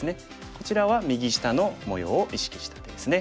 こちらは右下の模様を意識した手ですね。